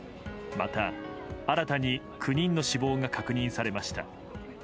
また新たに９人の死亡が確認されました。